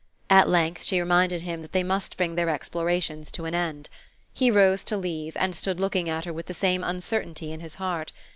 At length she reminded him that they must bring their explorations to an end. He rose to leave, and stood looking at her with the same uncertainty in his heart.